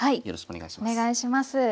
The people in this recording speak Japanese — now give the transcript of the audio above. よろしくお願いします。